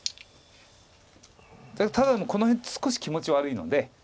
ただこの辺少し気持ち悪いので。